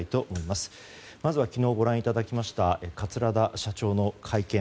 まずは昨日ご覧いただきました桂田社長の会見。